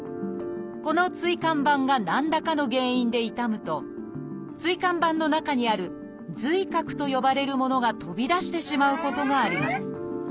この椎間板が何らかの原因で傷むと椎間板の中にある「髄核」と呼ばれるものが飛び出してしまうことがあります。